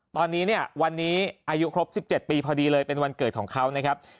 ตอนนี้เนี่ยวันนี้อายุครบ๑๗ปีพอดีเลยเป็นวันเกิดของเขานะครับ